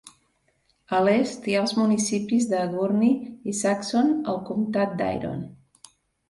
A l'est hi ha els municipis de Gurney i Saxon al comtat d'Iron.